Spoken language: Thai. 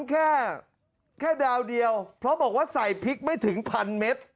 แค่แค่ดาวเดียวเพราะบอกว่าใส่พริกไม่ถึงพันเมตร